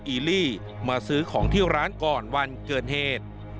ีลี่มาซื้อของที่ร้านก่อนวันเกิดเหตุ